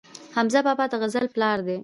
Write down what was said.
حمزه بابا د غزل پلار و